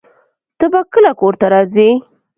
ته به کله کور ته راځې؟